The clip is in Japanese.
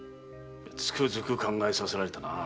つくづく考えさせられたな。